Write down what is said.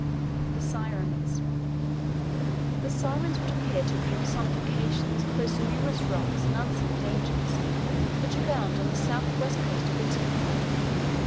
THE SIRENS. The Sirens would appear to have been personifications of those numerous rocks and unseen dangers, which abound on the S.W. coast of Italy.